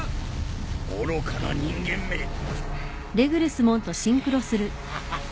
愚かな人間め！ハハハ。